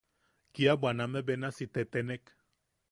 Kia bwaname benasi tetenek.